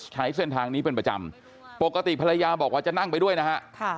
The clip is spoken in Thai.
ใช้เส้นทางนี้เป็นประจำปกติภรรยาบอกว่าจะนั่งไปด้วยนะฮะ